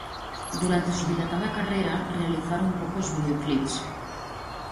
Durante su dilatada carrera realizaron pocos videoclips.